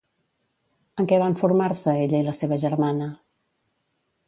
En què van formar-se ella i la seva germana?